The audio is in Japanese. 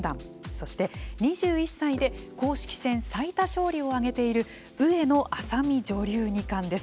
そして、２１歳で公式戦最多勝利を挙げている上野愛咲美女流二冠です。